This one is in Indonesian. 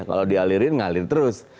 kalau dialirin ngalir terus